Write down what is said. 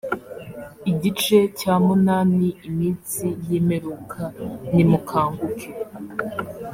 igice cya munani iminsi y’imperuka nimukanguke